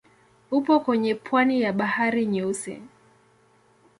Upo kwenye pwani ya Bahari Nyeusi.